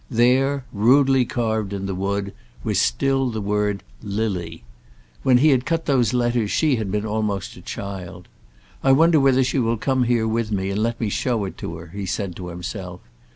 There, rudely carved in the wood, was still the word LILY. When he cut those letters she had been almost a child. "I wonder whether she will come here with me and let me show it to her," he said to himself.